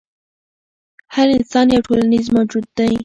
هر انسان یو ټولنیز موجود دی.